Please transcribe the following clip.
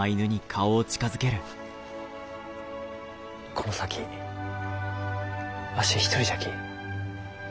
この先わし一人じゃき。